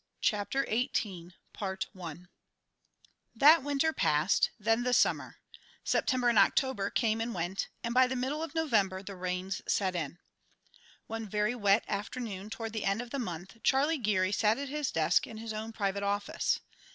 Chapter Eighteen That winter passed, then the summer; September and October came and went, and by the middle of November the rains set in. One very wet afternoon toward the end of the month Charlie Geary sat at his desk in his own private office.